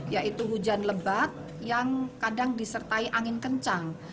yaitu hujan lebat yang kadang disertai angin kencang